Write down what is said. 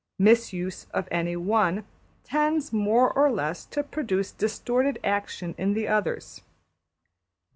Mis use of any one tends more or less to produce distorted action in the others.